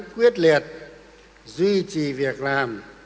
quyết liệt duy trì việc làm